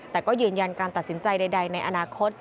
แต่ก็ยืนยันการตัดสินใจใดในอนาคต